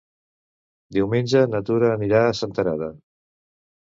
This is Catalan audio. Diumenge na Tura anirà a Senterada.